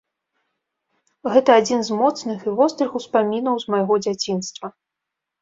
Гэта адзін з моцных і вострых успамінаў з майго дзяцінства.